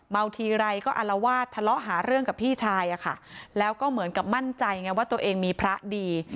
ทีไรก็อารวาสทะเลาะหาเรื่องกับพี่ชายอะค่ะแล้วก็เหมือนกับมั่นใจไงว่าตัวเองมีพระดี